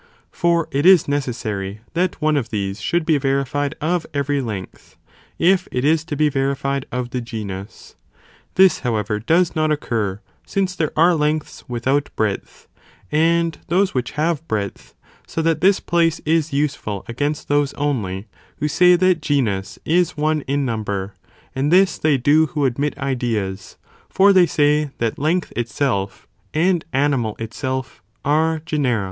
for it is necessary that one of these should be verified of every length, if it is to be veri fied of the genus. This however does not occur, since there are lengths without breadth, and those which have breadth, 80 that this place is useful ¢gainst those only, who say that genus is one in number, and this they do who admit ideas, for they say that length itself and NA abebtia bee animal itself are genera.